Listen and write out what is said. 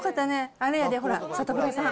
あれやで、ほら、サタプラさん。